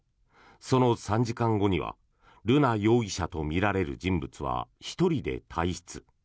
その３時間後には瑠奈容疑者とみられる人物は１人で退室。